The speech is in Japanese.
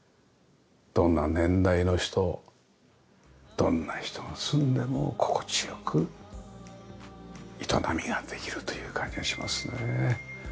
どんな年代の人どんな人が住んでも心地良く営みができるという感じがしますね。